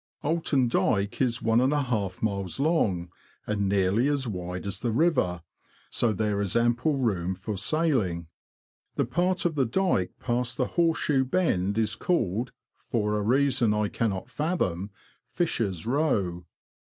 Oulton Dyke is one and a half miles long, and nearly as wide as the river, so there is ample room for sailing. The part of the dyke past the Horse shoe bend is called, for a reason I cannot fathom, Fisher's Row.